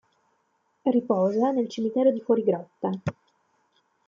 Riposa nel cimitero di Fuorigrotta.